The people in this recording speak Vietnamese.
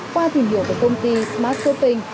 qua thỉnh hiệu của công ty smart shopping